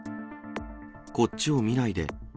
こっちを見ないで。